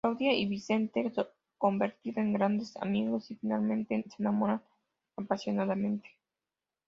Claudia y Vicente convertido en grandes amigos, y, finalmente, se enamoran apasionadamente.